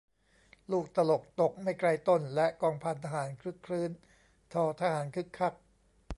ลูกตลกตกไม่ไกลต้น และกองพันทหารครึกครื้น ททหารคึกคัก